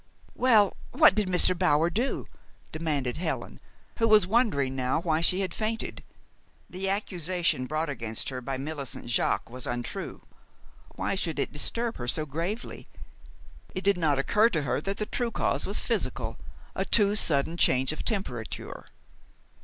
"Well, what did Mr. Bower do?" demanded Helen, who was wondering now why she had fainted. The accusation brought against her by Millicent Jaques was untrue. Why should it disturb her so gravely? It did not occur to her that the true cause was physical, a too sudden change of temperature.